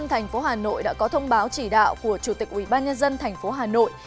thành phố hà nội đã có thông báo chỉ đạo của chủ tịch ubnd thành phố hà nội